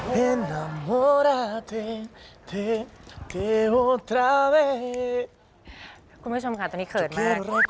คุณผู้ชมค่ะตอนนี้เขินมาก